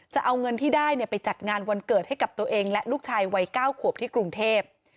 จะเอาเงินที่ได้ไปจัดงานวันเกิดให้กับตัวเองและลูกชายวัย๙ขวบที่กรุงเทพ